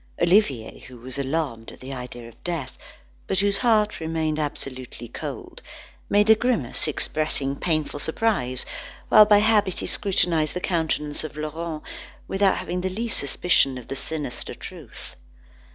Olivier, who was alarmed at the idea of death, but whose heart remained absolutely cold, made a grimace expressing painful surprise, while by habit he scrutinised the countenance of Laurent, without having the least suspicion of the sinister truth.